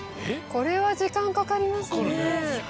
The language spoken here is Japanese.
これは時間かかりますね。